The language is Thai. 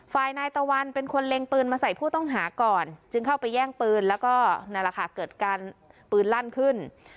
ฝ่ายนายตะวันเป็นคนเล็งปืนมาใส่ผู้ต้องหาก่อนจึงเข้าไปแย่งปืนแล้วก็นั่นแหละค่ะเกิดการปืนลั่นขึ้น